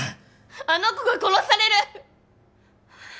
あの子が殺される！